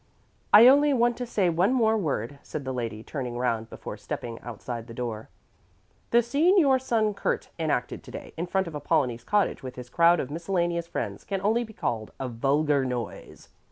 "I only want to say one more word," said the lady turning round before stepping outside the door. "The scene your son Kurt enacted to day in front of Apollonie's cottage with his crowd of miscellaneous friends can only be called a vulgar noise."